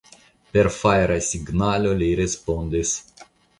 Per fajra signalo, li respondis.